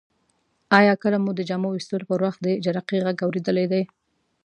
آیا کله مو د جامو ویستلو پر وخت د جرقې غږ اوریدلی دی؟